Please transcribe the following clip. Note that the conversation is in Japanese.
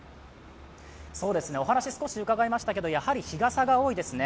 お話少し伺いましたけど、やはり日傘が多いですね。